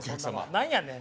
何やねん？